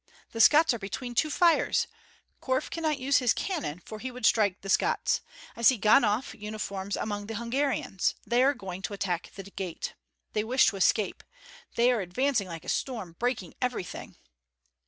The Scots are between two fires. Korf cannot use his cannon, for he would strike the Scots. I see Ganhoff uniforms among the Hungarians. They are going to attack the gate. They wish to escape. They are advancing like a storm, breaking everything!"